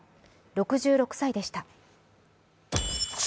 ６６歳でした。